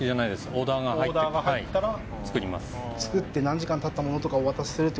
オーダーがオーダーが入ったら作ります